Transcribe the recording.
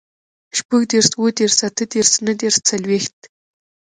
شپوږدېرس, اوهدېرس, اتهدېرس, نهدېرس, څلوېښت